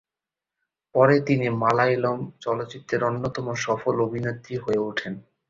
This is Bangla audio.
পরে তিনি মালয়ালম চলচ্চিত্রের অন্যতম সফল অভিনেত্রী হয়ে ওঠেন।